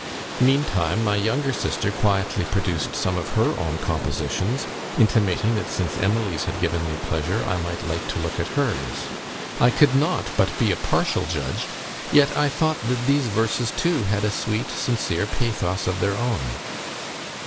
. Meantime, my younger sister quietly produced some of her own compositions, intimating that since Emily's had given me pleasure, I might like to look at hers. I could not but be a partial judge, yet I thought that these verses too had a sweet sincere pathos of their own.